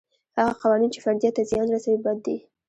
هغه قوانین چې فردیت ته زیان رسوي بد دي.